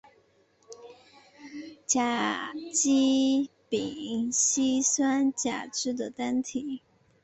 甲基丙烯酸甲酯的单体。